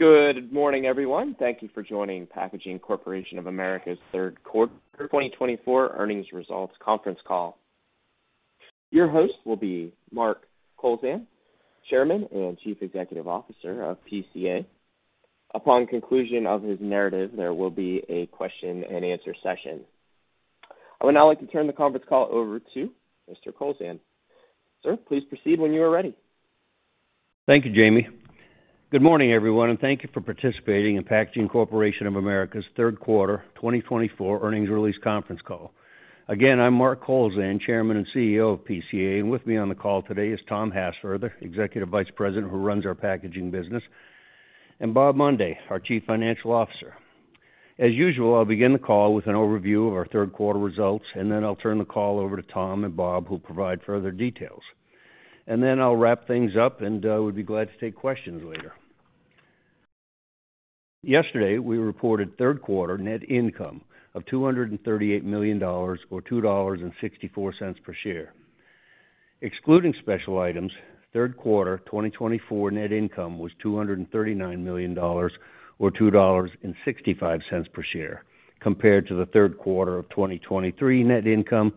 Good morning, everyone. Thank you for joining Packaging Corporation of America's third quarter 2024 earnings results conference call. Your host will be Mark Kowlzan, Chairman and Chief Executive Officer of PCA. Upon conclusion of his narrative, there will be a question-and-answer session. I would now like to turn the conference call over to Mr. Kowlzan. Sir, please proceed when you are ready. Thank you, Jamie. Good morning, everyone, and thank you for participating in Packaging Corporation of America's third quarter 2024 earnings release conference call. Again, I'm Mark Kowlzan, Chairman and CEO of PCA, and with me on the call today is Tom Hassfurther, Executive Vice President, who runs our packaging business, and Bob Mundy, our Chief Financial Officer. As usual, I'll begin the call with an overview of our third quarter results, and then I'll turn the call over to Tom and Bob, who'll provide further details. Then I'll wrap things up, and we'll be glad to take questions later. Yesterday, we reported third quarter net income of $238 million or $2.64 per share. Excluding special items, third quarter 2024 net income was $239 million or $2.65 per share, compared to the third quarter of 2023 net income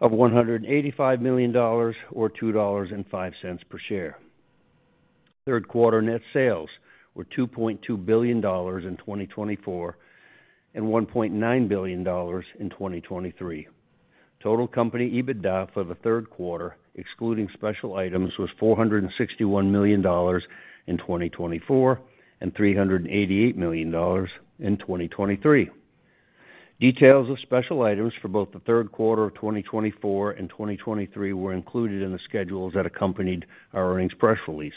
of $185 million or $2.05 per share. Third quarter net sales were $2.2 billion in 2024 and $1.9 billion in 2023. Total company EBITDA for the third quarter, excluding special items, was $461 million in 2024 and $388 million in 2023. Details of special items for both the third quarter of 2024 and 2023 were included in the schedules that accompanied our earnings press release.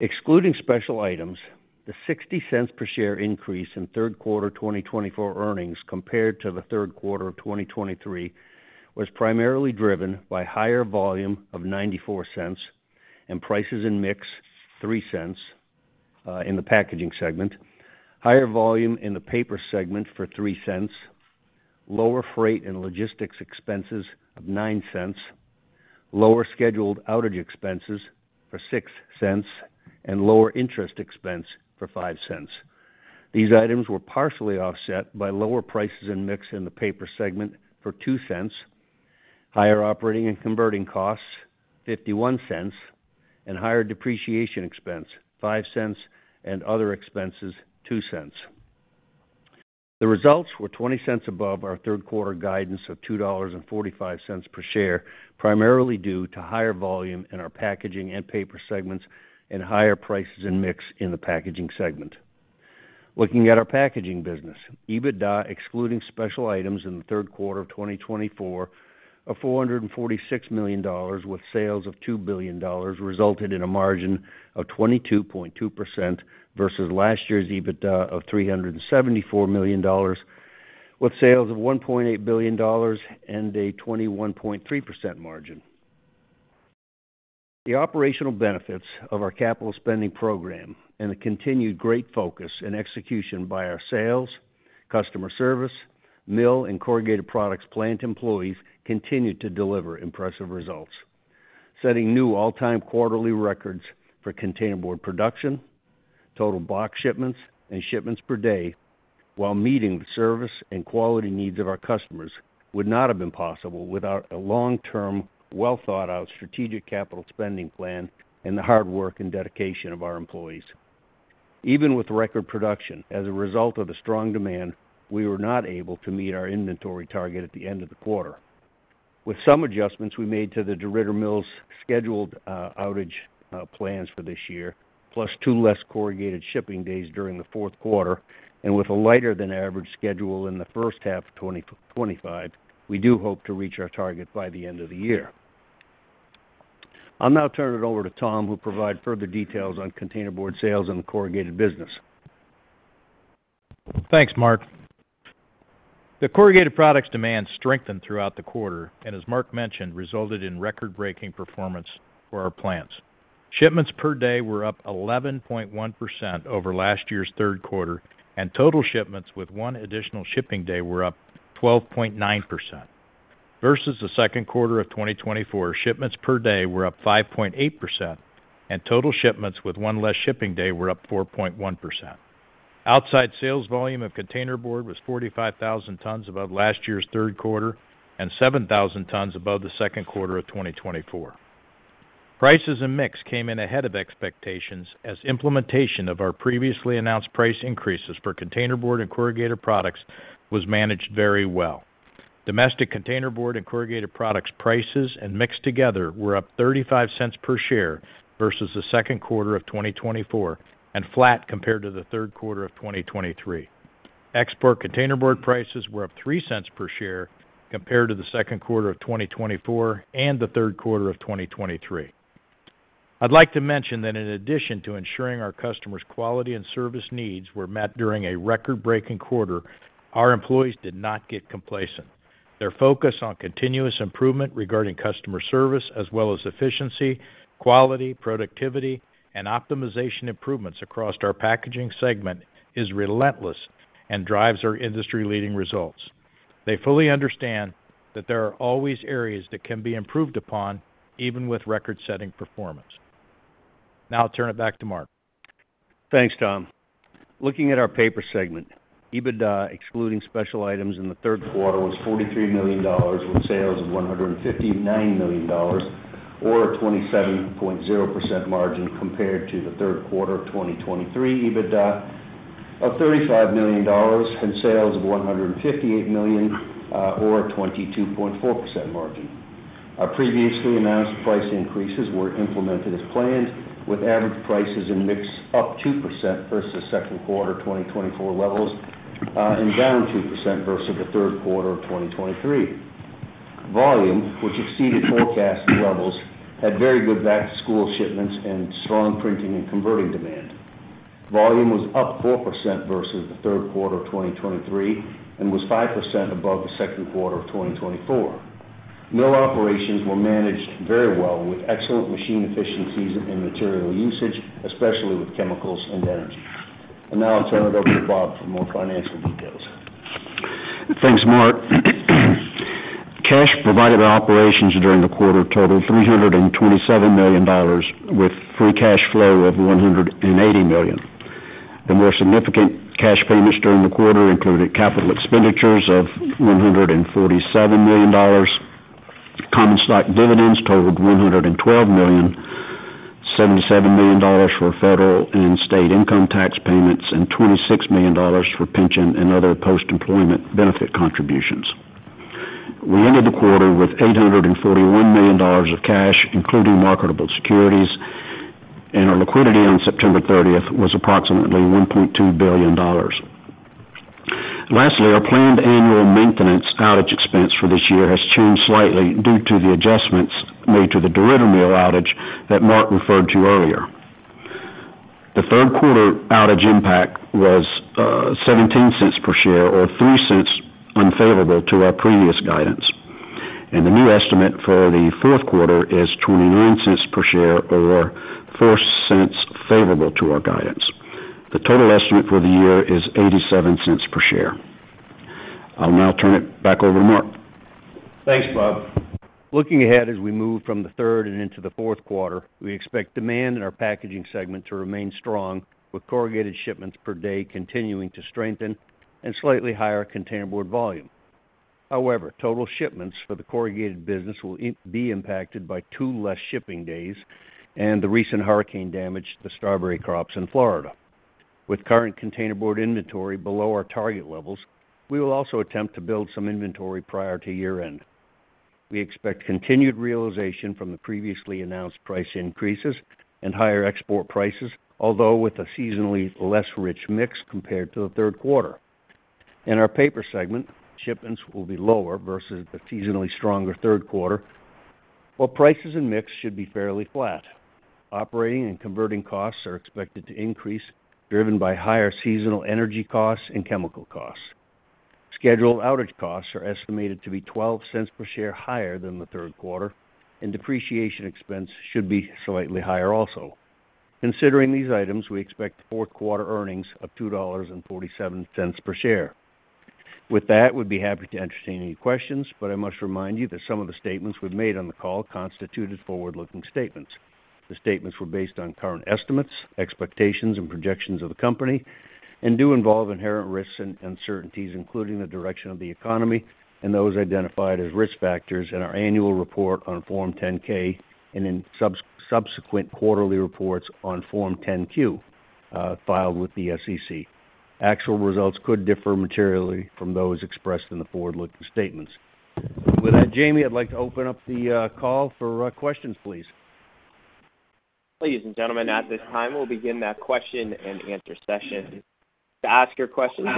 Excluding special items, the $0.60 per share increase in third quarter 2024 earnings compared to the third quarter of 2023 was primarily driven by higher volume of $0.94 and prices and mix, $0.03, in the packaging segment, higher volume in the paper segment for $0.03, lower freight and logistics expenses of $0.09, lower scheduled outage expenses for $0.06, and lower interest expense for $0.05. These items were partially offset by lower prices and mix in the paper segment for $0.02, higher operating and converting costs, $0.51, and higher depreciation expense, $0.05, and other expenses, $0.02. The results were $0.20 above our third quarter guidance of $2.45 per share, primarily due to higher volume in our packaging and paper segments and higher prices and mix in the packaging segment. Looking at our packaging business, EBITDA, excluding special items in the third quarter of 2024, of $446 million with sales of $2 billion, resulted in a margin of 22.2% versus last year's EBITDA of $374 million, with sales of $1.8 billion and a 21.3% margin. The operational benefits of our capital spending program and the continued great focus and execution by our sales, customer service, mill, and corrugated products plant employees continued to deliver impressive results. Setting new all-time quarterly records for containerboard production, total box shipments, and shipments per day, while meeting the service and quality needs of our customers, would not have been possible without a long-term, well-thought-out strategic capital spending plan and the hard work and dedication of our employees. Even with record production, as a result of the strong demand, we were not able to meet our inventory target at the end of the quarter. With some adjustments we made to the DeRidder Mill's scheduled outage plans for this year, plus 2 less corrugated shipping days during the fourth quarter, and with a lighter than average schedule in the first half of 2025, we do hope to reach our target by the end of the year. I'll now turn it over to Tom, who will provide further details on containerboard sales and the corrugated business. Thanks, Mark. The corrugated products demand strengthened throughout the quarter and, as Mark mentioned, resulted in record-breaking performance for our plants. Shipments per day were up 11.1% over last year's third quarter, and total shipments with 1 additional shipping day were up 12.9%. Versus the second quarter of 2024, shipments per day were up 5.8%, and total shipments with 1 less shipping day were up 4.1%. Outside sales volume of containerboard was 45,000 tons above last year's third quarter and 7,000 tons above the second quarter of 2024. Prices and mix came in ahead of expectations as implementation of our previously announced price increases for containerboard and corrugated products was managed very well. Domestic containerboard and corrugated products prices and mix together were up $0.35 per share versus the second quarter of 2024 and flat compared to the third quarter of 2023. Export containerboard prices were up $0.03 per share compared to the second quarter of 2024 and the third quarter of 2023. I'd like to mention that in addition to ensuring our customers' quality and service needs were met during a record-breaking quarter, our employees did not get complacent. Their focus on continuous improvement regarding customer service as well as efficiency, quality, productivity, and optimization improvements across our packaging segment is relentless and drives our industry-leading results. They fully understand that there are always areas that can be improved upon, even with record-setting performance. Now I'll turn it back to Mark. Thanks, Tom. Looking at our paper segment, EBITDA, excluding special items in the third quarter, was $43 million, with sales of $159 million, or a 27.0% margin compared to the third quarter of 2023, EBITDA of $35 million and sales of $158 million, or a 22.4% margin. Our previously announced price increases were implemented as planned, with average prices and mix up 2% versus second quarter 2024 levels, and down 2% versus the third quarter of 2023. Volume, which exceeded forecasting levels, had very good back-to-school shipments and strong printing and converting demand. Volume was up 4% versus the third quarter of 2023, and was 5% above the second quarter of 2024. Mill operations were managed very well, with excellent machine efficiencies and material usage, especially with chemicals and energy. And now I'll turn it over to Bob for more financial details. Thanks, Mark. Cash provided by operations during the quarter totaled $327 million, with free cash flow of $180 million. The more significant cash payments during the quarter included capital expenditures of $147 million. Common stock dividends totaled $112 million, $77 million for federal and state income tax payments, and $26 million for pension and other post-employment benefit contributions. We ended the quarter with $841 million of cash, including marketable securities, and our liquidity on September thirtieth was approximately $1.2 billion. Lastly, our planned annual maintenance outage expense for this year has changed slightly due to the adjustments made to the DeRidder Mill outage that Mark referred to earlier. The third quarter outage impact was $0.17 per share or $0.03 unfavorable to our previous guidance. And the new estimate for the fourth quarter is $0.29 per share or $0.04 favorable to our guidance. The total estimate for the year is $0.87 per share. I'll now turn it back over to Mark. Thanks, Bob. Looking ahead, as we move from the third and into the fourth quarter, we expect demand in our packaging segment to remain strong, with corrugated shipments per day continuing to strengthen and slightly higher containerboard volume. However, total shipments for the corrugated business will be impacted by 2 less shipping days and the recent hurricane damage to the strawberry crops in Florida. With current containerboard inventory below our target levels, we will also attempt to build some inventory prior to year-end. We expect continued realization from the previously announced price increases and higher export prices, although with a seasonally less rich mix compared to the third quarter. In our paper segment, shipments will be lower versus the seasonally stronger third quarter, while prices and mix should be fairly flat. Operating and converting costs are expected to increase, driven by higher seasonal energy costs and chemical costs. Scheduled outage costs are estimated to be $0.12 per share higher than the third quarter, and depreciation expense should be slightly higher also. Considering these items, we expect fourth quarter earnings of $2.47 per share. With that, we'd be happy to entertain any questions, but I must remind you that some of the statements we've made on the call constituted forward-looking statements. The statements were based on current estimates, expectations, and projections of the company and do involve inherent risks and uncertainties, including the direction of the economy and those identified as risk factors in our annual report on Form 10-K and in subsequent quarterly reports on Form 10-Q, filed with the SEC. Actual results could differ materially from those expressed in the forward-looking statements. With that, Jamie, I'd like to open up the call for questions, please. Ladies and gentlemen, at this time, we'll begin the question and answer session. To ask your question, press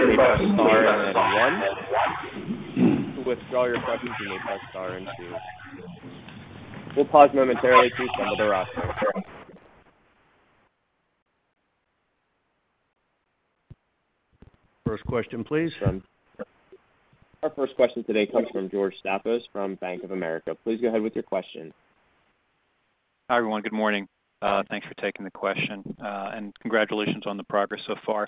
star and one. To withdraw your questions, you may press star and two. We'll pause momentarily to assemble the roster. First question, please. Our first question today comes from George Staphos from Bank of America. Please go ahead with your question. Hi, everyone. Good morning. Thanks for taking the question, and congratulations on the progress so far.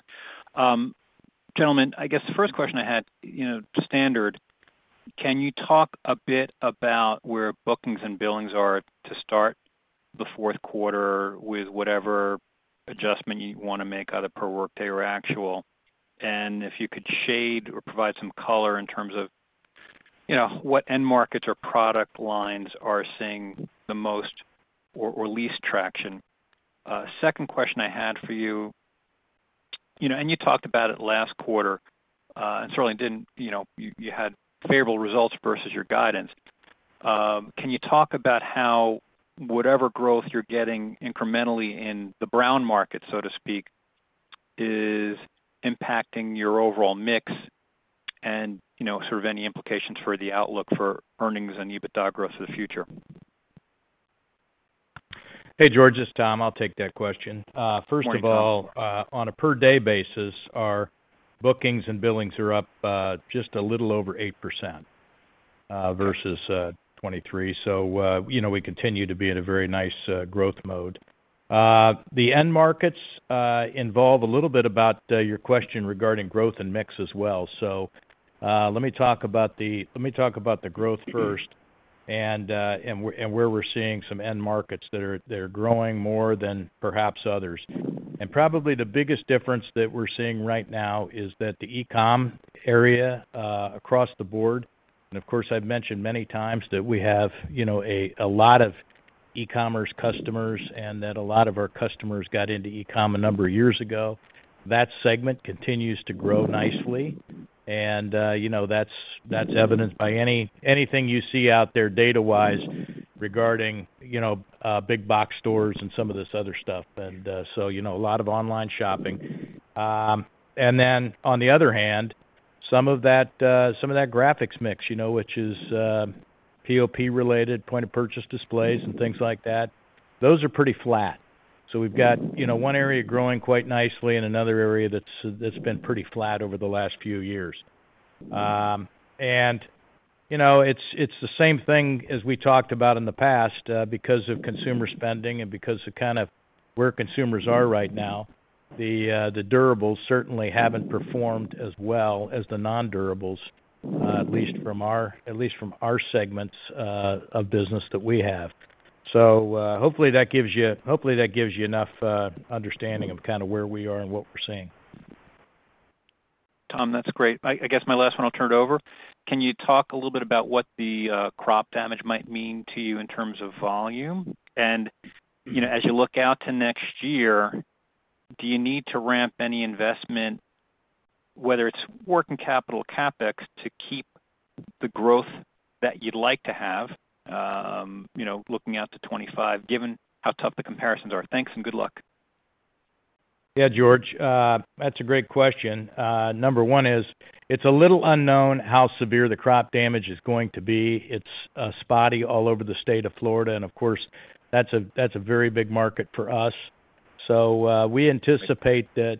Gentlemen, I guess the first question I had, you know, standard: Can you talk a bit about where bookings and billings are to start the fourth quarter with whatever adjustment you want to make, either per workday or actual? And if you could shade or provide some color in terms of, you know, what end markets or product lines are seeing the most or least traction. Second question I had for you, you know, and you talked about it last quarter, and certainly didn't, you know, you had favorable results versus your guidance. Can you talk about how whatever growth you're getting incrementally in the brown market, so to speak, is impacting your overall mix and, you know, sort of any implications for the outlook for earnings and EBITDA growth for the future? Hey, George, this is Tom. I'll take that question. Good morning, Tom. First of all, on a per-day basis, our bookings and billings are up just a little over 8%.... versus 2023. So, you know, we continue to be in a very nice growth mode. The end markets involve a little bit about your question regarding growth and mix as well. So, let me talk about the growth first and where we're seeing some end markets that are growing more than perhaps others. And probably the biggest difference that we're seeing right now is that the e-com area across the board, and of course, I've mentioned many times that we have, you know, a lot of e-commerce customers and that a lot of our customers got into e-com a number of years ago. That segment continues to grow nicely, and you know, that's evidenced by anything you see out there data-wise regarding, you know, big box stores and some of this other stuff. So, you know, a lot of online shopping. And then, on the other hand, some of that graphics mix, you know, which is POP-related, point of purchase displays, and things like that, those are pretty flat. So we've got, you know, one area growing quite nicely and another area that's been pretty flat over the last few years. You know, it's the same thing as we talked about in the past, because of consumer spending and because of kind of where consumers are right now. The durables certainly haven't performed as well as the non-durables, at least from our segments of business that we have. So, hopefully, that gives you enough understanding of kind of where we are and what we're seeing. Tom, that's great. I, I guess my last one. I'll turn it over. Can you talk a little bit about what the crop damage might mean to you in terms of volume? And, you know, as you look out to next year, do you need to ramp any investment, whether it's working capital CapEx, to keep the growth that you'd like to have, you know, looking out to 2025, given how tough the comparisons are? Thanks, and good luck. Yeah, George, that's a great question. Number 1 is, it's a little unknown how severe the crop damage is going to be. It's spotty all over the state of Florida, and of course, that's a very big market for us. So, we anticipate that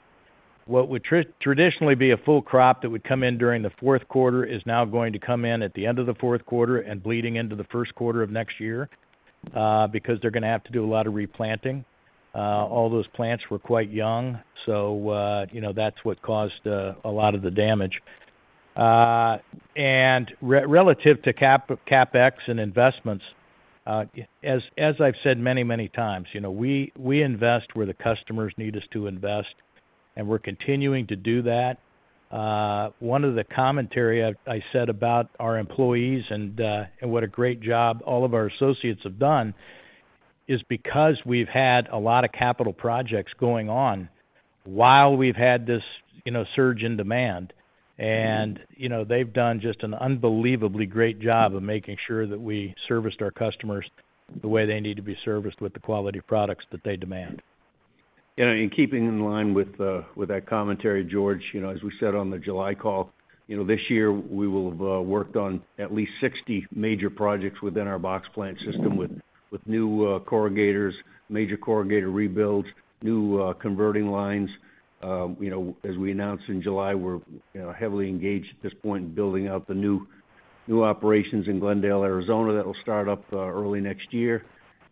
what would traditionally be a full crop that would come in during the fourth quarter is now going to come in at the end of the fourth quarter and bleeding into the first quarter of next year, because they're gonna have to do a lot of replanting. All those plants were quite young, so, you know, that's what caused a lot of the damage. Relative to CapEx and investments, as I've said many, many times, you know, we invest where the customers need us to invest, and we're continuing to do that. One of the commentary I said about our employees and what a great job all of our associates have done is because we've had a lot of capital projects going on while we've had this, you know, surge in demand, and you know, they've done just an unbelievably great job of making sure that we serviced our customers the way they need to be serviced with the quality of products that they demand. You know, in keeping in line with that commentary, George, you know, as we said on the July call, you know, this year, we will worked on at least 60 major projects within our box plant system, with new corrugators, major corrugator rebuilds, new converting lines. You know, as we announced in July, we're you know, heavily engaged at this point in building out the new operations in Glendale, Arizona. That will start up early next year.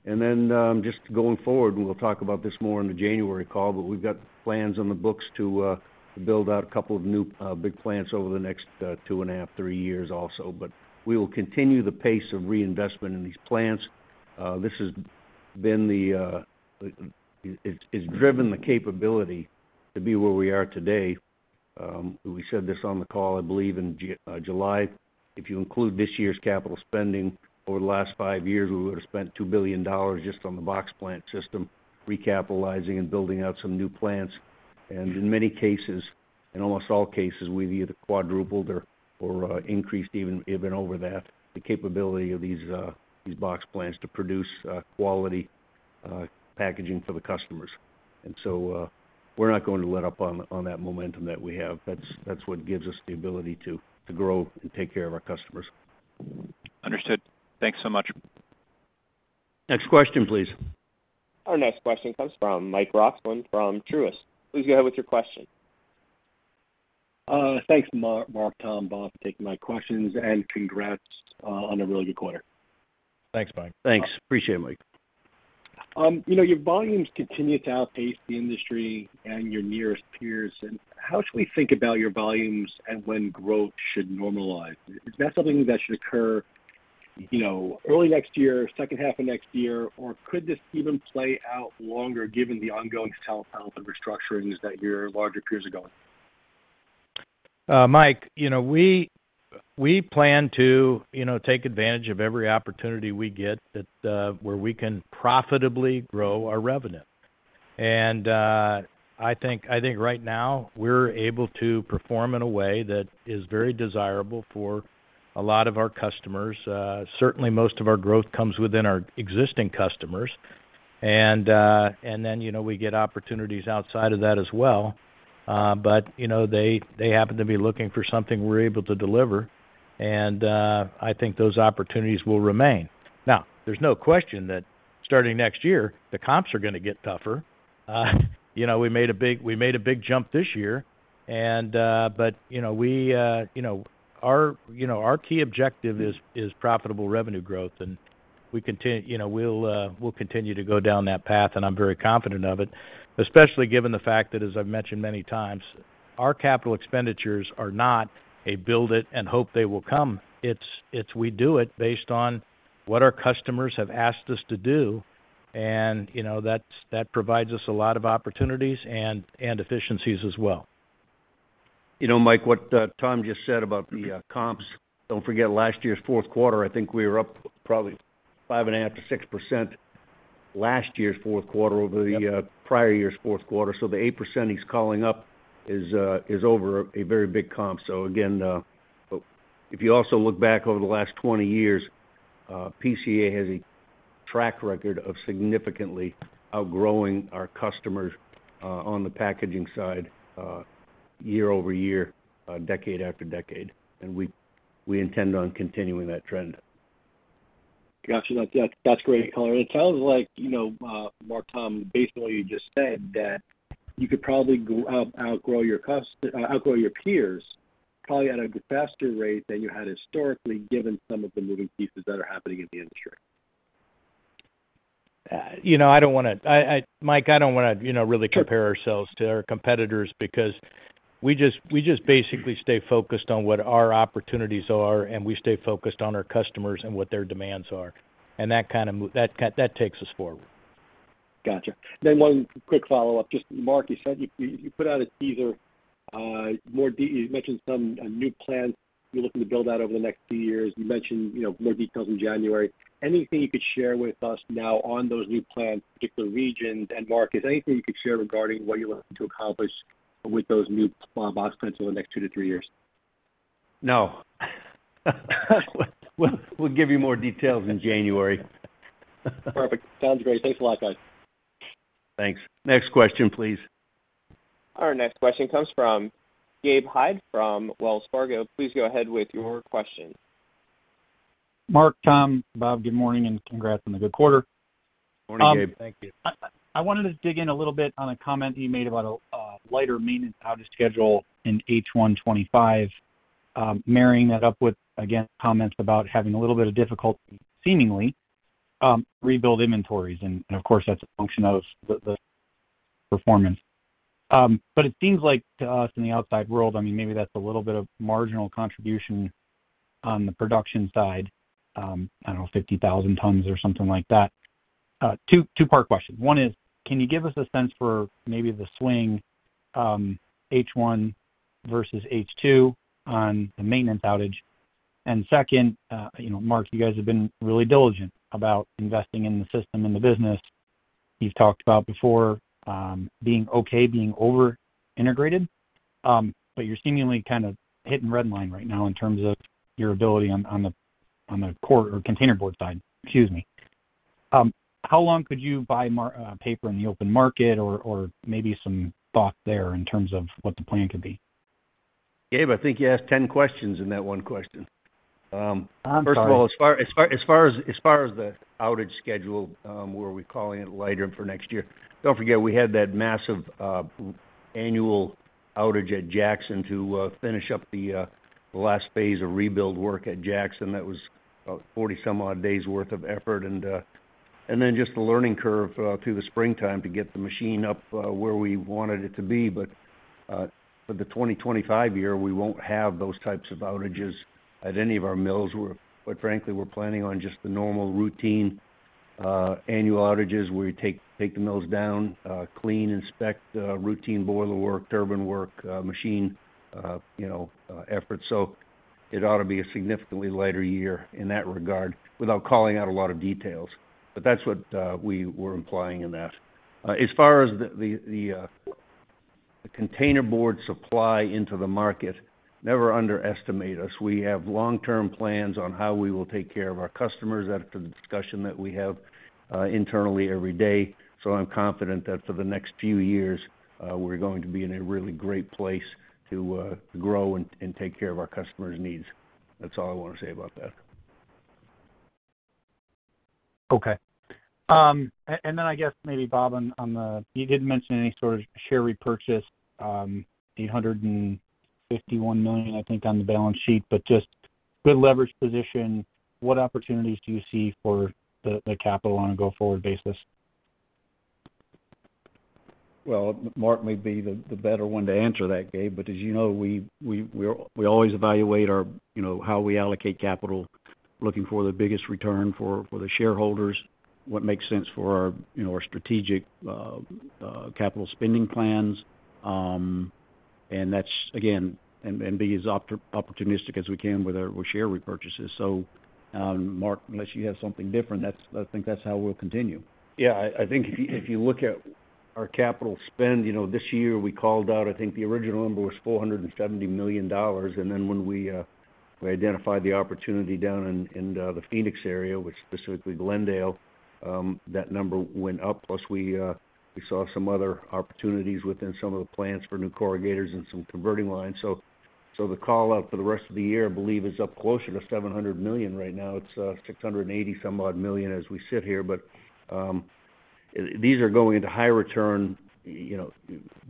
And then, just going forward, we'll talk about this more in the January call, but we've got plans on the books to build out a couple of new big plants over the next 2.5-3 years also. But we will continue the pace of reinvestment in these plants. This has been the, it's, it's driven the capability to be where we are today. We said this on the call, I believe in July. If you include this year's capital spending over the last 5 years, we would have spent $2 billion just on the box plant system, recapitalizing and building out some new plants. And in many cases, in almost all cases, we've either quadrupled or increased even, even over that, the capability of these, these box plants to produce quality packaging for the customers. And so, we're not going to let up on that momentum that we have. That's what gives us the ability to grow and take care of our customers. Understood. Thanks so much. Next question, please. Our next question comes from Mike Roxland from Truist. Please go ahead with your question. Thanks, Mark, Tom, Bob, for taking my questions, and congrats on a really good quarter. Thanks, Mike. Thanks. Appreciate it, Mike. You know, your volumes continue to outpace the industry and your nearest peers. And how should we think about your volumes and when growth should normalize? Is that something that should occur, you know, early next year, second half of next year, or could this even play out longer given the ongoing self-help and restructurings that your larger peers are going through? Mike, you know, we plan to, you know, take advantage of every opportunity we get that, where we can profitably grow our revenue, and I think right now we're able to perform in a way that is very desirable for a lot of our customers. Certainly, most of our growth comes within our existing customers, and then, you know, we get opportunities outside of that as well, but you know, they happen to be looking for something we're able to deliver, and I think those opportunities will remain. Now, there's no question that starting next year, the comps are gonna get tougher. You know, we made a big jump this year.... But, you know, we, you know, our, you know, our key objective is profitable revenue growth, and we, you know, we'll continue to go down that path, and I'm very confident of it. Especially given the fact that, as I've mentioned many times, our capital expenditures are not a build it and hope they will come. It's we do it based on what our customers have asked us to do, and, you know, that provides us a lot of opportunities and efficiencies as well. You know, Mike, what Tom just said about the comps, don't forget, last year's fourth quarter, I think we were up probably 5.5%-6% last year's fourth quarter over the prior year's fourth quarter. So the 8% he's calling up is over a very big comp. So again, if you also look back over the last 20 years, PCA has a track record of significantly outgrowing our customers on the packaging side year over year decade after decade, and we intend on continuing that trend. Gotcha. That's great color. It sounds like, you know, Mark, Tom, based on what you just said, that you could probably outgrow your peers, probably at a faster rate than you had historically, given some of the moving pieces that are happening in the industry. You know, I don't wanna... I, Mike, I don't wanna, you know, really compare- Sure... ourselves to our competitors because we just basically stay focused on what our opportunities are, and we stay focused on our customers and what their demands are. And that kind that takes us forward. Gotcha. Then one quick follow-up. Just, Mark, you said you put out a teaser, more details you mentioned some new plans you're looking to build out over the next few years. You mentioned, you know, more details in January. Anything you could share with us now on those new plans, particular regions? And Mark, is there anything you could share regarding what you're looking to accomplish with those new box plants over the next 2 to 3 years? No. We'll give you more details in January. Perfect. Sounds great. Thanks a lot, guys. Thanks. Next question, please. Our next question comes from Gabe Hajde from Wells Fargo. Please go ahead with your question. Mark, Tom, Bob, good morning, and congrats on the good quarter. Morning, Gabe. Thank you. I wanted to dig in a little bit on a comment you made about a lighter maintenance outage schedule in H1 2025, marrying that up with, again, comments about having a little bit of difficulty, seemingly, rebuild inventories, and of course, that's a function of the performance. But it seems like to us in the outside world, I mean, maybe that's a little bit of marginal contribution on the production side, I don't know, 50,000 tons or something like that. Two-part question. One is, can you give us a sense for maybe the swing, H1 versus H2 on the maintenance outage? And second, you know, Mark, you guys have been really diligent about investing in the system and the business. You've talked about before, being okay, being over-integrated, but you're seemingly kind of hitting red line right now in terms of your ability on the corrugator containerboard side, excuse me. How long could you buy more paper in the open market or maybe some thought there in terms of what the plan could be? Gabe, I think you asked ten questions in that one question. I'm sorry. First of all, as far as the outage schedule, where we're calling it lighter for next year, don't forget, we had that massive annual outage at Jackson to finish up the last phase of rebuild work at Jackson. That was about forty-some odd days worth of effort, and then just the learning curve through the springtime to get the machine up where we wanted it to be. But for the 2025 year, we won't have those types of outages at any of our mills. But frankly, we're planning on just the normal, routine annual outages, where we take the mills down, clean, inspect, routine boiler work, turbine work, machine, you know, efforts. So it ought to be a significantly lighter year in that regard, without calling out a lot of details. But that's what we were implying in that. As far as the containerboard supply into the market, never underestimate us. We have long-term plans on how we will take care of our customers. That's the discussion that we have internally every day. So I'm confident that for the next few years, we're going to be in a really great place to grow and take care of our customers' needs. That's all I want to say about that. Okay. And then I guess maybe, Bob, on the... You didn't mention any sort of share repurchase, $851 million, I think, on the balance sheet, but just good leverage position. What opportunities do you see for the capital on a go-forward basis? Mark may be the better one to answer that, Gabe, but as you know, we always evaluate our, you know, how we allocate capital, looking for the biggest return for the shareholders, what makes sense for our, you know, our strategic capital spending plans. And that's, again, to be as opportunistic as we can with our share repurchases. Mark, unless you have something different, that's, I think that's how we'll continue. Yeah, I think if you look at our capital spend, you know, this year, we called out, I think, the original number was $470 million. And then when we identified the opportunity down in the Phoenix area, which specifically Glendale, that number went up. Plus we saw some other opportunities within some of the plants for new corrugators and some converting lines. So... So the call out for the rest of the year, I believe, is up closer to $700 million. Right now, it's $680 million as we sit here. But these are going into high return, you know,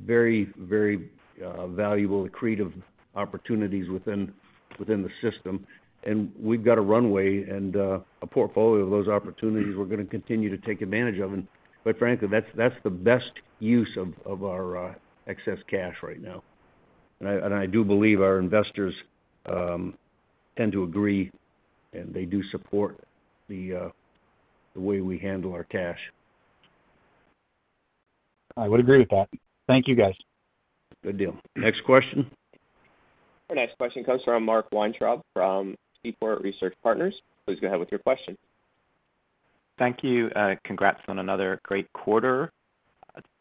very, very valuable accretive opportunities within the system. And we've got a runway and a portfolio of those opportunities we're gonna continue to take advantage of. And quite frankly, that's the best use of our excess cash right now. And I do believe our investors tend to agree, and they do support the way we handle our cash. I would agree with that. Thank you, guys. Good deal. Next question? Our next question comes from Mark Weintraub, from Seaport Research Partners. Please go ahead with your question. Thank you. Congrats on another great quarter.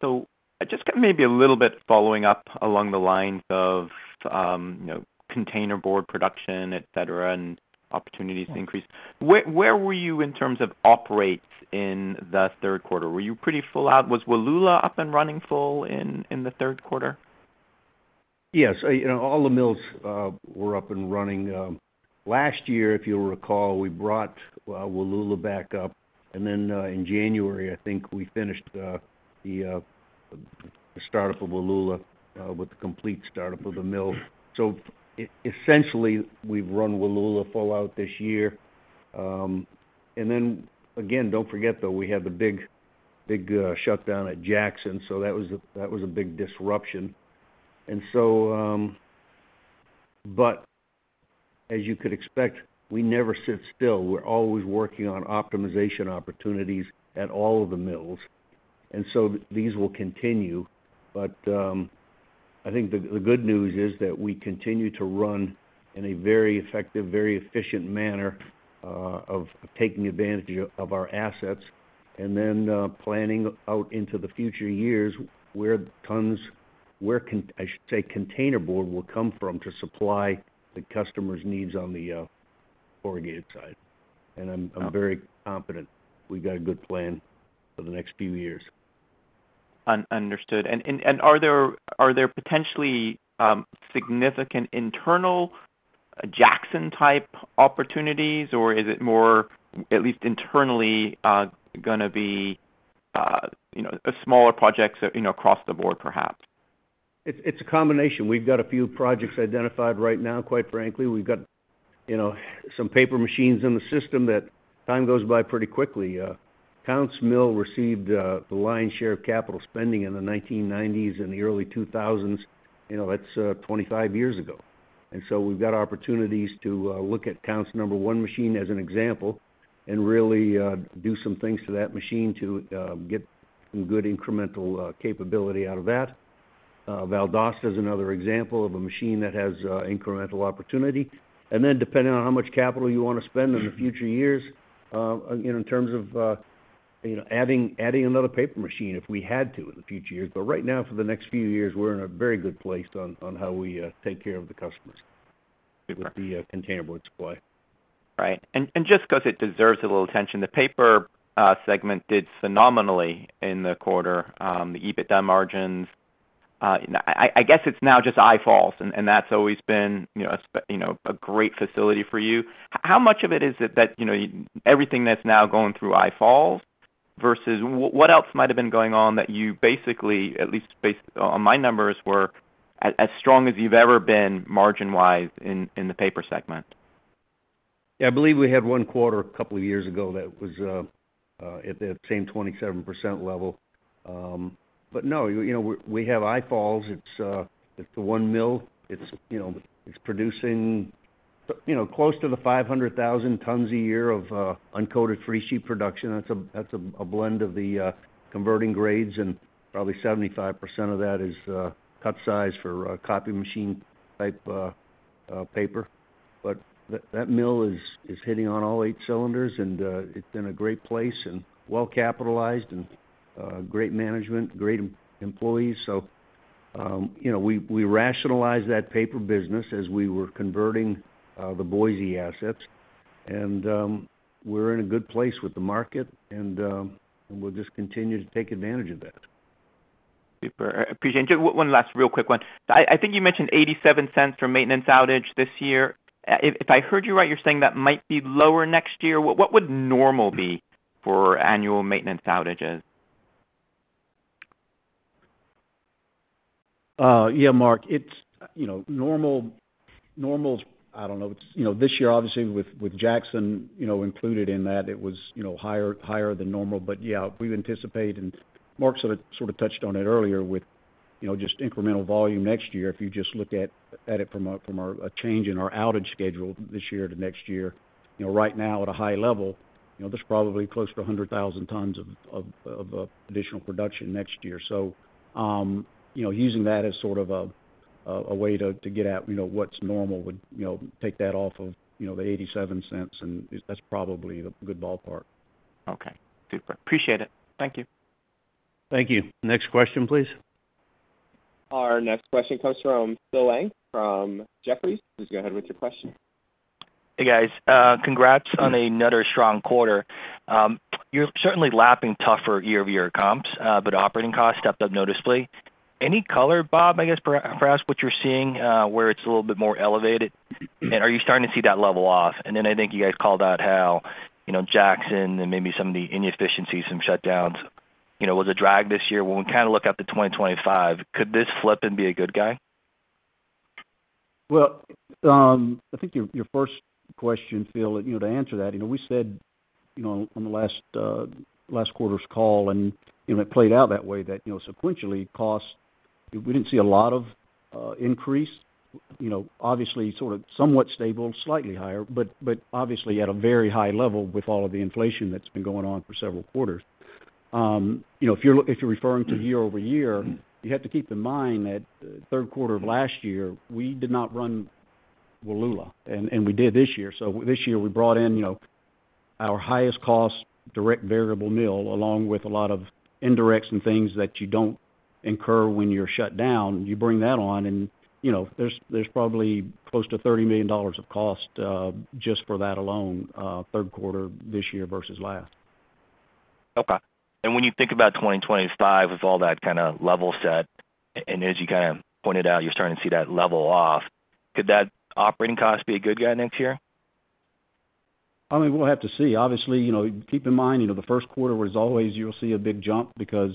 So just maybe a little bit following up along the lines of, you know, containerboard production, et cetera, and opportunities to increase. Where were you in terms of operating rates in the third quarter? Were you pretty full out? Was Wallula up and running full in the third quarter? Yes. You know, all the mills were up and running. Last year, if you'll recall, we brought Wallula back up, and then in January, I think we finished the startup of Wallula with the complete startup of the mill. So essentially, we've run Wallula full out this year. And then again, don't forget, though, we had the big, big shutdown at Jackson, so that was a big disruption. But as you could expect, we never sit still. We're always working on optimization opportunities at all of the mills, and so these will continue. But, I think the good news is that we continue to run in a very effective, very efficient manner of taking advantage of our assets and then planning out into the future years, where, I should say, containerboard will come from to supply the customer's needs on the corrugated side. And I'm very confident we've got a good plan for the next few years. Understood. And are there potentially significant internal Jackson-type opportunities, or is it more, at least internally, gonna be, you know, a smaller projects, you know, across the board, perhaps? It's a combination. We've got a few projects identified right now, quite frankly. We've got, you know, some paper machines in the system that time goes by pretty quickly. Counce received the lion's share of capital spending in the 1990s and the early 2000s. You know, that's 25 years ago. And so we've got opportunities to look at Counce's number one machine as an example, and really do some things to that machine to get some good incremental capability out of that. Valdosta is another example of a machine that has incremental opportunity. And then, depending on how much capital you want to spend in the future years, you know, in terms of you know adding another paper machine, if we had to in the future years. But right now, for the next few years, we're in a very good place on how we take care of the customers with the containerboard supply. Right. And just because it deserves a little attention, the paper segment did phenomenally in the quarter. The EBITDA margins, I guess it's now just I Falls, and that's always been, you know, a great facility for you. How much of it is it that, you know, everything that's now going through I Falls versus what else might have been going on that you basically, at least based on my numbers, were as strong as you've ever been margin-wise in the paper segment? Yeah, I believe we had one quarter a couple of years ago that was at the same 27% level. But no, you know, we have I Falls. It's the one mill. It's producing close to 500,000 tons a year of uncoated free sheet production. That's a blend of the converting grades, and probably 75% of that is cut size for copy machine type paper. But that mill is hitting on all 8 cylinders, and it's been a great place and well-capitalized and great management, great employees. So, you know, we rationalized that paper business as we were converting the Boise assets. We're in a good place with the market, and we'll just continue to take advantage of that. Super. Appreciate it. One last real quick one. I think you mentioned $0.87 for maintenance outage this year. If I heard you right, you're saying that might be lower next year. What would normal be for annual maintenance outages? Yeah, Mark, it's, you know, normal, I don't know. It's, you know, this year, obviously, with Jackson, you know, included in that, it was, you know, higher than normal. But yeah, we've anticipated, and Mark sort of touched on it earlier, with, you know, just incremental volume next year. If you just looked at it from a change in our outage schedule this year to next year, you know, right now, at a high level, you know, there's probably close to 100,000 tons of additional production next year. So, you know, using that as sort of a way to get at, you know, what's normal would, you know, take that off of, you know, the $0.87, and that's probably a good ballpark. Okay. Super. Appreciate it. Thank you. Thank you. Next question, please. Our next question comes from Philip Ng, from Jefferies. Please go ahead with your question.... Hey, guys, congrats on another strong quarter. You're certainly lapping tougher year-over-year comps, but operating costs stepped up noticeably. Any color, Bob, I guess, perhaps what you're seeing, where it's a little bit more elevated? And are you starting to see that level off? And then I think you guys called out how, you know, Jackson and maybe some of the inefficiencies, some shutdowns, you know, was a drag this year. When we kind of look out to 2025, could this flip and be a good guy? I think your first question, Phil. You know, to answer that, you know, we said, you know, on the last quarter's call, and, you know, it played out that way, that, you know, sequentially, costs, we didn't see a lot of increase. You know, obviously, sort of somewhat stable, slightly higher, but obviously at a very high level with all of the inflation that's been going on for several quarters. You know, if you're referring to year over year, you have to keep in mind that the third quarter of last year, we did not run Wallula, and we did this year. So this year, we brought in, you know, our highest cost, direct variable mill, along with a lot of indirects and things that you don't incur when you're shut down. You bring that on and, you know, there's probably close to $30 million of cost, just for that alone, third quarter this year versus last. Okay. And when you think about 2025, with all that kind of level set, and as you kind of pointed out, you're starting to see that level off, could that operating cost be a good guy next year? I mean, we'll have to see. Obviously, you know, keep in mind, you know, the first quarter was always you'll see a big jump because,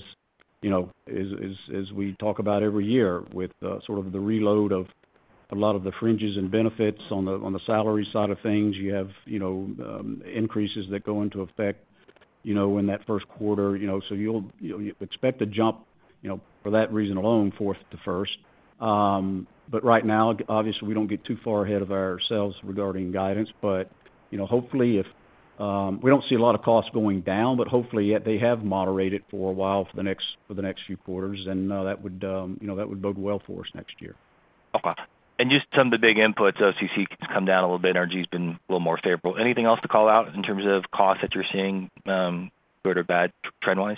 you know, as we talk about every year with sort of the reload of a lot of the fringe benefits on the salary side of things, you have, you know, increases that go into effect, you know, in that first quarter, you know, so you'll expect a jump, you know, for that reason alone, fourth to first, but right now, obviously, we don't get too far ahead of ourselves regarding guidance, but you know, hopefully, if... We don't see a lot of costs going down, but hopefully, they have moderated for a while for the next few quarters, and that would, you know, that would bode well for us next year. Okay. And just some of the big inputs, OCC has come down a little bit, NG's been a little more favorable. Anything else to call out in terms of costs that you're seeing, good or bad, trend-wise?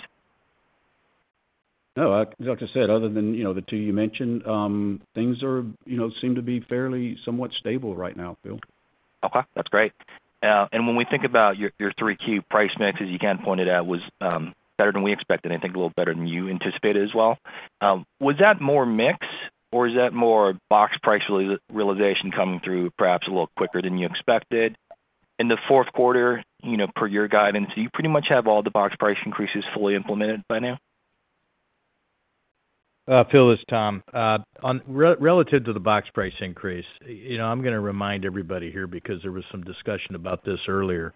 No, like I just said, other than, you know, the 2 you mentioned, things are, you know, seem to be fairly, somewhat stable right now, Phil. Okay, that's great, and when we think about your 3 key price mix, as you again pointed out, was better than we expected, I think a little better than you anticipated as well. Was that more mix, or is that more box price realization coming through perhaps a little quicker than you expected? In the fourth quarter, you know, per your guidance, do you pretty much have all the box price increases fully implemented by now? Phil, this is Tom. On relative to the box price increase, you know, I'm gonna remind everybody here because there was some discussion about this earlier.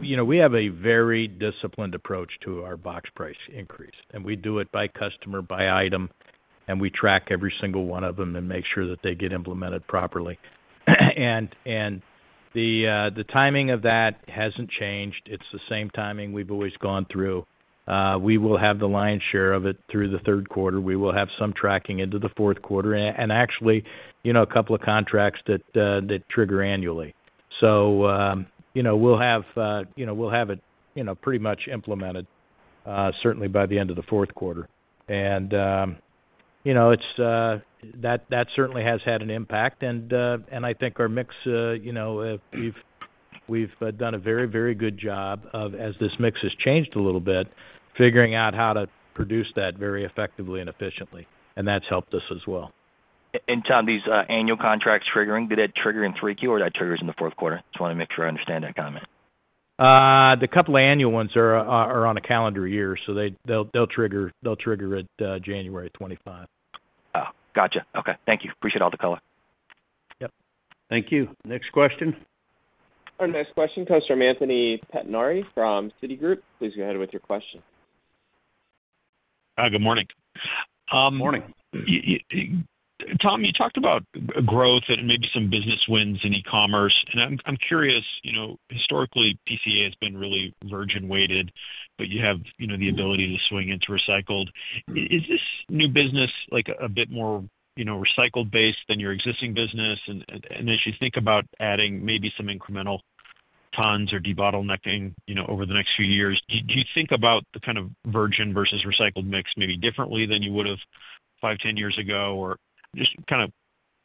You know, we have a very disciplined approach to our box price increase, and we do it by customer, by item, and we track every single one of them and make sure that they get implemented properly. And the timing of that hasn't changed. It's the same timing we've always gone through. We will have the lion's share of it through the third quarter. We will have some tracking into the fourth quarter, and actually, you know, a couple of contracts that trigger annually. So, you know, we'll have, you know, we'll have it, you know, pretty much implemented, certainly by the end of the fourth quarter. You know, it's that certainly has had an impact, and I think our mix, you know, we've done a very, very good job of, as this mix has changed a little bit, figuring out how to produce that very effectively and efficiently, and that's helped us as well. And Tom, these annual contracts triggering, did that trigger in 3Q or that triggers in the fourth quarter? Just wanna make sure I understand that comment. The couple of annual ones are on a calendar year, so they'll trigger at January 2025. Oh, gotcha. Okay. Thank you. Appreciate all the color. Yep. Thank you. Next question. Our next question comes from Anthony Pettinari from Citigroup. Please go ahead with your question. Good morning. Good morning. Tom, you talked about growth and maybe some business wins in e-commerce, and I'm curious, you know, historically, PCA has been really virgin-weighted, but you have, you know, the ability to swing into recycled. Is this new business like a bit more, you know, recycled based than your existing business? And as you think about adding maybe some incremental tons or debottlenecking, you know, over the next few years, do you think about the kind of virgin versus recycled mix maybe differently than you would have 5, 10 years ago? Or just kind of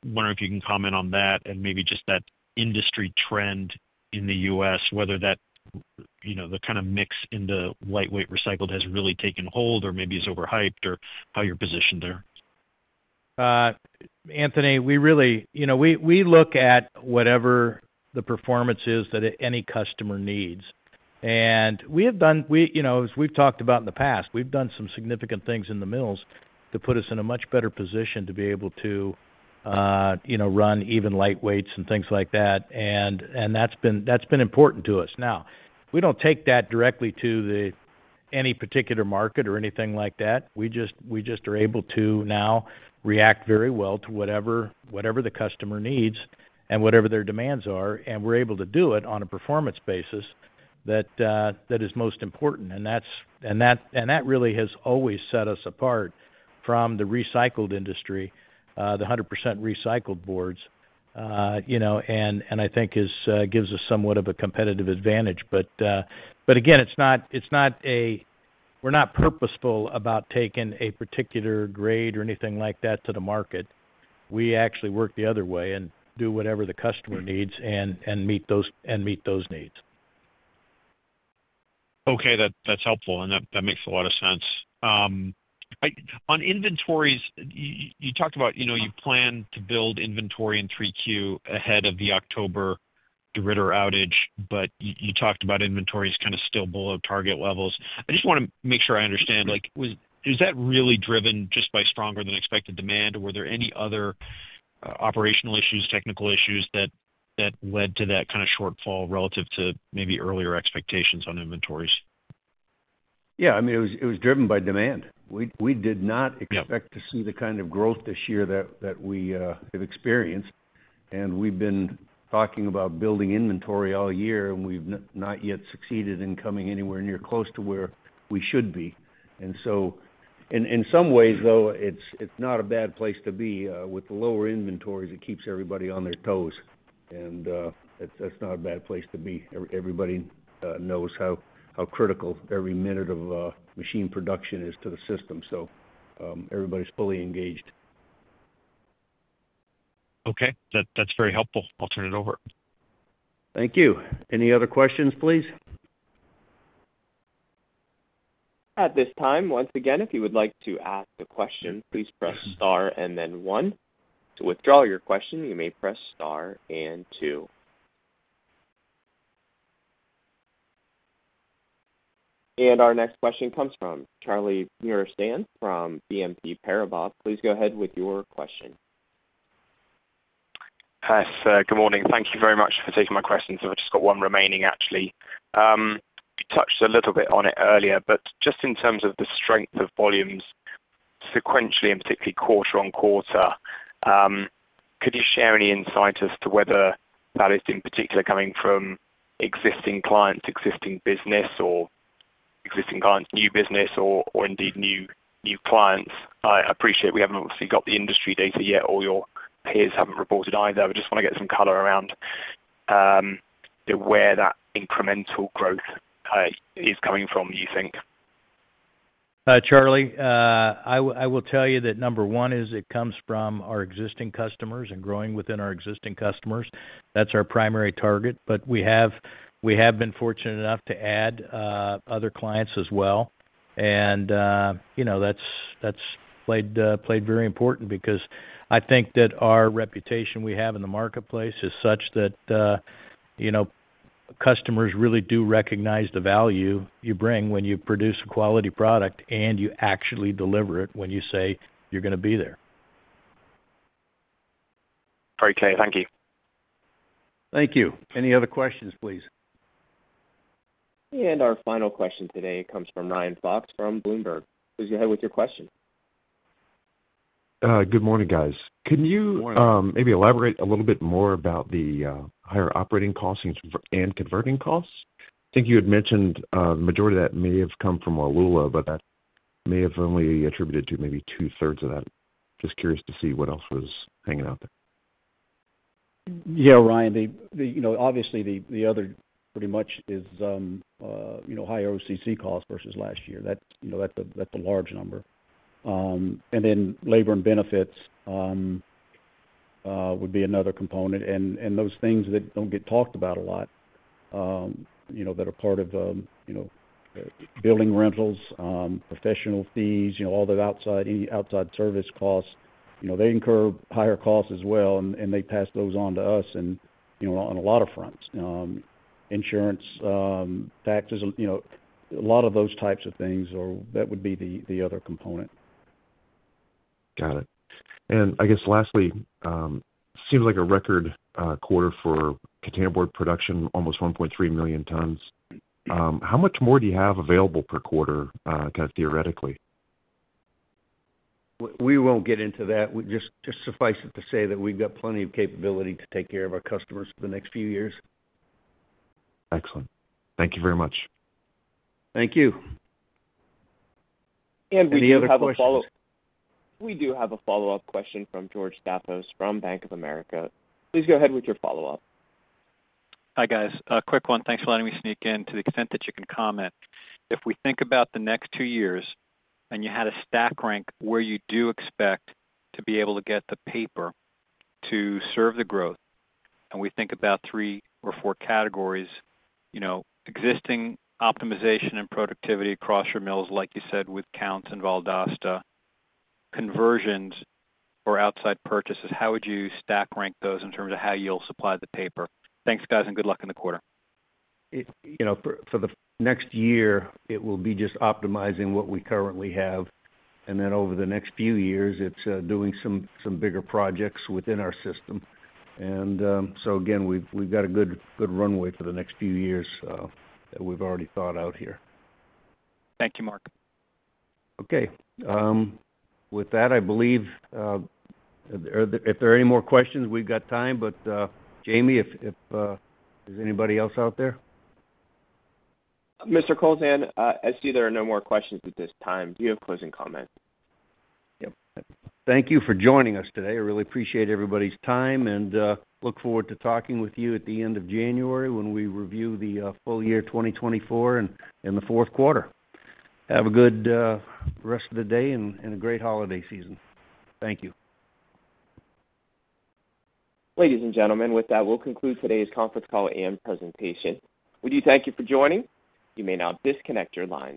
wondering if you can comment on that and maybe just that industry trend in the U.S., whether that, you know, the kind of mix in the lightweight recycled has really taken hold or maybe is overhyped, or how you're positioned there. Anthony, we really, you know, we look at whatever the performance is that any customer needs. And we have done, you know, as we've talked about in the past, we've done some significant things in the mills to put us in a much better position to be able to, you know, run even lightweights and things like that. And that's been important to us. Now, we don't take that directly to any particular market or anything like that. We just are able to now react very well to whatever the customer needs and whatever their demands are, and we're able to do it on a performance basis that is most important. That really has always set us apart from the recycled industry, the 100% recycled boards, you know, and I think gives us somewhat of a competitive advantage. But again, it's not a- ... We're not purposeful about taking a particular grade or anything like that to the market. We actually work the other way and do whatever the customer needs and meet those needs. Okay, that's helpful, and that makes a lot of sense. On inventories, you talked about, you know, you plan to build inventory in 3Q ahead of the October DeRidder outage, but you talked about inventories kind of still below target levels. I just wanna make sure I understand, like, is that really driven just by stronger than expected demand, or were there any other operational issues, technical issues, that led to that kind of shortfall relative to maybe earlier expectations on inventories? Yeah, I mean, it was driven by demand. We did not- Yeah -expect to see the kind of growth this year that we have experienced, and we've been talking about building inventory all year, and we've not yet succeeded in coming anywhere near close to where we should be. And so in some ways, though, it's not a bad place to be with the lower inventories. It keeps everybody on their toes, and that's not a bad place to be. Everybody knows how critical every minute of machine production is to the system, so everybody's fully engaged. Okay. That's very helpful. I'll turn it over. Thank you. Any other questions, please? At this time, once again, if you would like to ask a question, please press Star and then one. To withdraw your question, you may press Star and two. And our next question comes from Charlie Muir-Sands from BNP Paribas. Please go ahead with your question. Hi, sir. Good morning. Thank you very much for taking my questions. I've just got one remaining, actually. You touched a little bit on it earlier, but just in terms of the strength of volumes sequentially and particularly quarter on quarter, could you share any insight as to whether that is in particular coming from existing clients, existing business, or existing clients, new business, or, or indeed new, new clients? I appreciate we haven't obviously got the industry data yet, or your peers haven't reported either. I just wanna get some color around, where that incremental growth is coming from, you think. Charlie, I will tell you that number one is it comes from our existing customers and growing within our existing customers. That's our primary target. But we have been fortunate enough to add other clients as well. And, you know, that's played very important because I think that our reputation we have in the marketplace is such that, you know, customers really do recognize the value you bring when you produce a quality product and you actually deliver it when you say you're gonna be there. Okay, thank you. Thank you. Any other questions, please? Our final question today comes from Ryan Fox from Bloomberg. Please go ahead with your question. Good morning, guys. Good morning. Can you maybe elaborate a little bit more about the higher operating costs and converting costs? I think you had mentioned the majority of that may have come from Wallula, but that may have only attributed to maybe two-thirds of that. Just curious to see what else was hanging out there. Yeah, Ryan, you know, obviously, the other pretty much is, you know, higher OCC costs versus last year. That's, you know, that's the large number. And then labor and benefits would be another component. And those things that don't get talked about a lot, you know, that are part of, you know, building rentals, professional fees, you know, all the outside service costs. You know, they incur higher costs as well, and they pass those on to us and, you know, on a lot of fronts. Insurance, taxes, you know, a lot of those types of things are... That would be the other component. Got it. I guess lastly, seems like a record quarter for containerboard production, almost 1.3 million tons. How much more do you have available per quarter, kind of theoretically? We won't get into that. Just suffice it to say that we've got plenty of capability to take care of our customers for the next few years. Excellent. Thank you very much. Thank you. Do you have a follow- Any other questions? We do have a follow-up question from George Staphos from Bank of America. Please go ahead with your follow-up. Hi, guys. A quick one. Thanks for letting me sneak in. To the extent that you can comment, if we think about the next two years, and you had a stack rank where you do expect to be able to get the paper to serve the growth, and we think about 3 or 4 categories, you know, existing optimization and productivity across your mills, like you said, with Counce and Valdosta, conversions or outside purchases, how would you stack rank those in terms of how you'll supply the paper? Thanks, guys, and good luck in the quarter. You know, for the next year, it will be just optimizing what we currently have, and then over the next few years, it's doing some bigger projects within our system. So again, we've got a good runway for the next few years that we've already thought out here. Thank you, Mark. Okay. With that, I believe. If there are any more questions, we've got time, but, Jamie, if... Is anybody else out there? Mr. Kowlzan, I see there are no more questions at this time. Do you have closing comments? Yep. Thank you for joining us today. I really appreciate everybody's time, and look forward to talking with you at the end of January when we review the full year 2024 and the fourth quarter. Have a good rest of the day and a great holiday season. Thank you. Ladies and gentlemen, with that, we'll conclude today's conference call and presentation. We do thank you for joining. You may now disconnect your line.